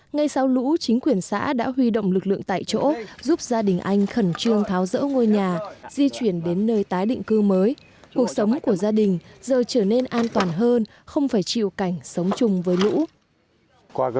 ngay sau lũ chính quyền xã đã huy động lực lượng tại chỗ giúp gia đình anh khẩn trương tháo rỡ ngôi nhà di chuyển đến nơi tái định cư mới cuộc sống của gia đình giờ trở nên an toàn hơn không phải chịu cảnh sống chung với lũ